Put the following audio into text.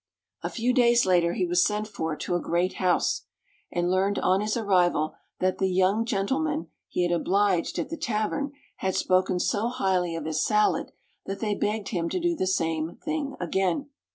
A few days later he was sent for to a great house, and learned on his arrival that the young gentleman he had obliged at the tavern had spoken so highly of his salad that they begged him to do the same thing again.